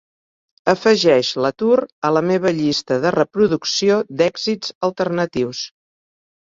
Afegeix LaTour a la meva llista de reproducció d'èxits alternatius.